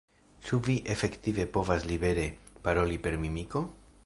Ĉu vi efektive povas libere paroli per mimiko?